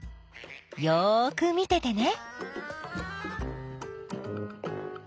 よく見ててね。